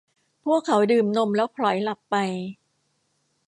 พวกเขาดื่มนมแล้วผล็อยหลับไป